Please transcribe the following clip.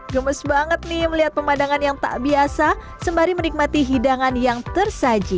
gemes banget nih melihat pemandangan yang tak biasa sembari menikmati hidangan yang tersaji